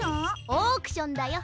オークションだよ。